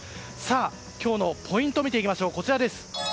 今日のポイントを見ていきましょう。